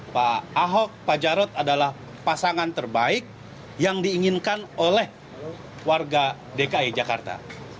pak ahok pak jarod adalah pasangan terbaik yang diinginkan oleh warga dki jakarta